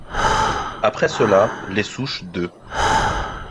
Après cela, les souches d'E.